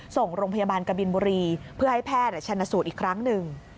ส่งโรงพยาบาลกบินบุรีเพื่อให้แพทย์ชนสูตรอีกครั้งหนึ่ง